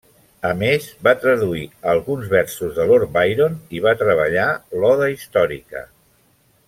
A més va traduir alguns versos de Lord Byron i va treballar l'oda històrica.